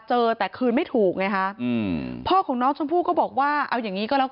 เจอแต่คืนไม่ถูกเลย